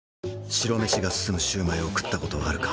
白飯が進むシュウマイを食ったことはあるか？